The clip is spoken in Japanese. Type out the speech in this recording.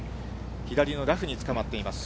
左のラフにつかまっています。